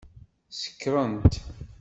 Sekṛent.